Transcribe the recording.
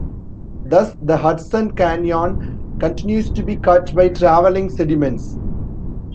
Thus the Hudson Canyon continues to be cut by traveling sediments.